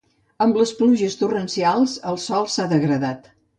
Amb les pluges torrencials el sòl s'ha degradat.